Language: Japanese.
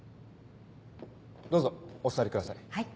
どうぞお座りください。